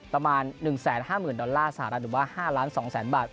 ประมาณ๑๕๐๐๐๐ดอลลาร์สหรัฐดุบาล๕๒๐๐๐๐๐บาท